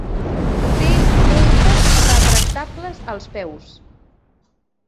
Té urpes retractables als peus.